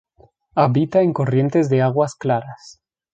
Habita en corrientes de aguas claras.